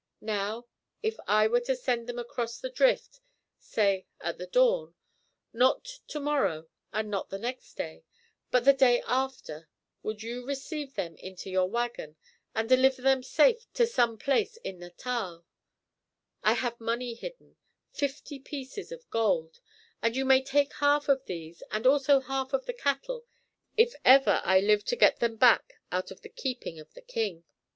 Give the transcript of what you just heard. Now, if I were to send them across the drift, say at the dawn, not to morrow, and not the next day, but the day after, would you receive them into your wagon and deliver them safe to some place in Natal? I have money hidden, fifty pieces of gold, and you may take half of these and also half of the cattle if ever I live to get them back out of the keeping of the king."